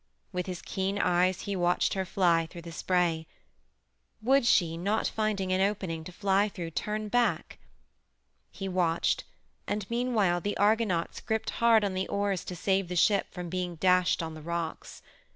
With his keen eyes he watched her fly through the spray. Would she, not finding an opening to fly through, turn back? He watched, and meanwhile the Argonauts gripped hard on the oars to save the ship from being dashed on the rocks.